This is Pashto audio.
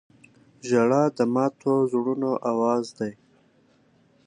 • ژړا د ماتو زړونو اواز دی.